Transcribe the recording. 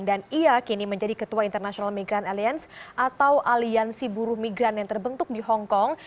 dan ia kini menjadi ketua internasional migran alliance atau aliansi buru migran yang terbentuk di hongkong